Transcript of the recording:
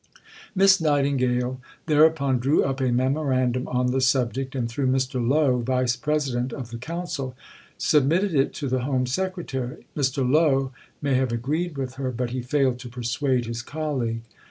Miss Nightingale thereupon drew up a memorandum on the subject, and, through Mr. Lowe (Vice President of the Council), submitted it to the Home Secretary. Mr. Lowe may have agreed with her, but he failed to persuade his colleague.